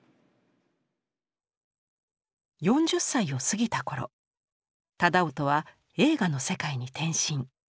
４０歳を過ぎた頃楠音は映画の世界に転身。